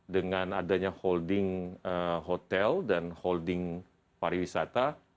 dengan adanya holding hotel dan holding pariwisata